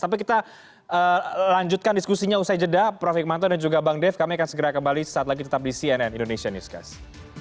tapi kita lanjutkan diskusinya usai jeda prof hikmanto dan juga bang dev kami akan segera kembali saat lagi tetap di cnn indonesia newscast